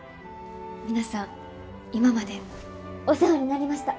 皆さん今までお世話になりました。